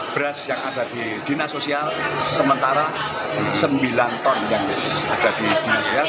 beras yang ada di dinas sosial sementara sembilan ton yang ada di dunia